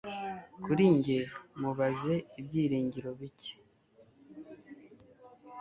kuri njye mubaze ibyiringiro bike